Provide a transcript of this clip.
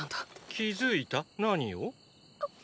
気付いた？何を？